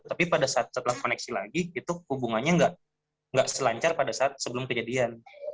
tapi pada saat setelah koneksi lagi itu hubungannya nggak selancar pada saat sebelum kejadian